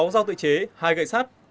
sáu dao tự chế hai gậy sắt